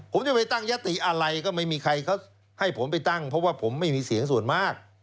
ผมจะไปตั้งยติอะไรก็ไม่มีใครเขาให้ผมไปตั้งเพราะว่าผมไม่มีเสียงส่วนมาก